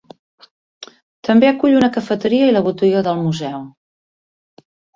També acull una cafeteria i la botiga del museu.